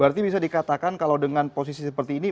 berarti bisa dikatakan kalau dengan posisi seperti ini